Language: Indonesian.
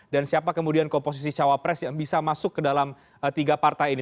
dan siapa kemudian komposisi cawapres yang bisa masuk ke dalam tiga partai ini